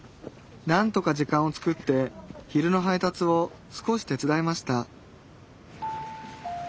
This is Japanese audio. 何とか時間を作って昼の配達を少し手伝いました